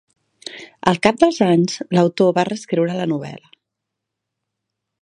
Al cap dels anys, l'autor va reescriure la novel·la.